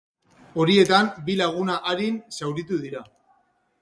Horietan, bi laguna arin zauritu dira.